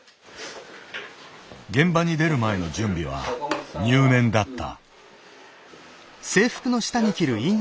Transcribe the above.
現場に出る前の準備は入念だった。